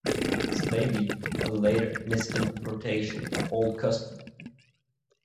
This may be a later misinterpretation of the old custom.